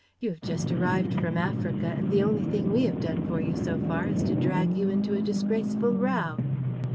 You have just arrived from Africa and the only thing we have done for you, so far, is to drag you into a disgraceful row."